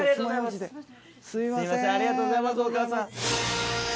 すいませんありがとうございますお母さん。